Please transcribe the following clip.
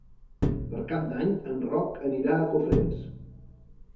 Per Cap d'Any en Roc anirà a Cofrents.